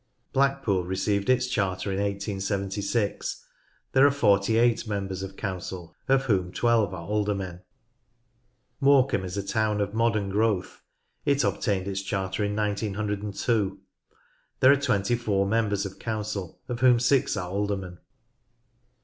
Blackpool received its charter in 1876. There are forty eight members of council of whom twelve are aldermen. Morecambe is a town of modern growth. It obtained its charter in 1902. There are twenty four members of council of whom six are aldermen.